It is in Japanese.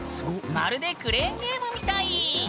まるでクレーンゲームみたい！